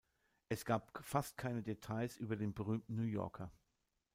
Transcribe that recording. Es gab fast keine Details über den berühmten New Yorker.